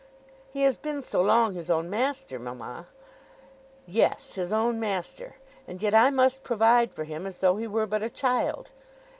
"He has been so long his own master, mamma." "Yes, his own master! And yet I must provide for him as though he were but a child.